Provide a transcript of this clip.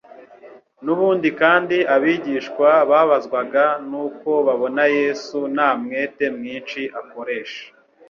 N'ubundi kandi abigishwa bababazwaga n'uko babona Yesu nta mwete mwinshi akoresha